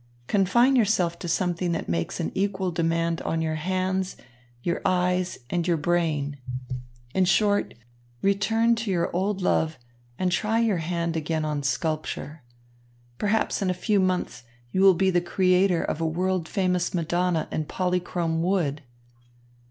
Confine yourself to something that makes an equal demand on your hands, your eyes and your brain. In short, return to your old love and try your hand again on sculpture. Perhaps in a few months you will be the creator of a world famous Madonna in polychrome wood."